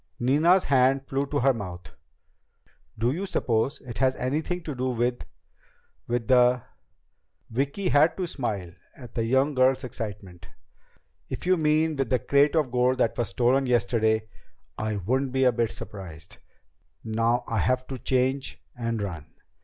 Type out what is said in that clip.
Nina's hand flew to her mouth. "Do you suppose it has anything to do with ... with the ..." Vicki had to smile at the younger girl's excitement. "If you mean with the crate of gold that was stolen yesterday, I wouldn't be a bit surprised. Now I have to change and run."